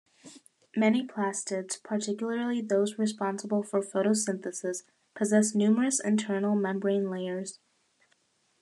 Many plastids, particularly those responsible for photosynthesis, possess numerous internal membrane layers.